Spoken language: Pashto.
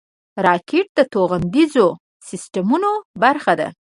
راکټ د توغندیزو سیسټمونو برخه ده